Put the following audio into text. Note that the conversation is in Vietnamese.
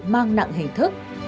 mang nặng hình thức